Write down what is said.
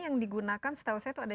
yang digunakan setahu saya itu ada